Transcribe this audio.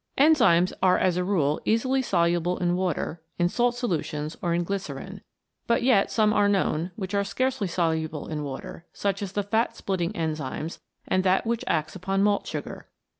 Enzymes are as a rule easily soluble in water, in salt solutions, or in glycerine, but yet some are known which are scarcely soluble in water, such as the fat splitting enzymes and that which acts upon malt sugar.